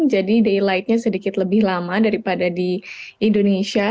jadi daylightnya sedikit lebih lama daripada di indonesia